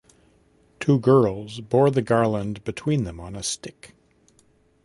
Two girls bore the garland between them on a stick.